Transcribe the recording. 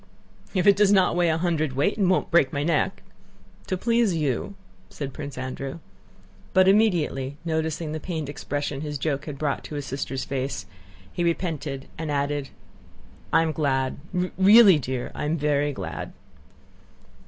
"If it does not weigh a hundredweight and won't break my neck... To please you..." said Prince Andrew. But immediately, noticing the pained expression his joke had brought to his sister's face, he repented and added: "I am glad; really, dear, I am very glad."